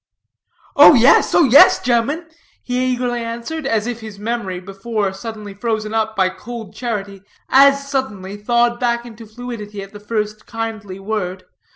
"Oh yes, oh yes, ge'mmen," he eagerly answered, as if his memory, before suddenly frozen up by cold charity, as suddenly thawed back into fluidity at the first kindly word.